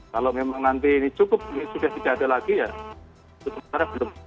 kalau memang nanti ini cukup ini sudah tidak ada lagi ya itu tentara belum